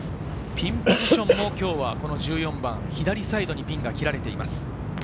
ピンポジションも１４番、左サイドにピンが切られています。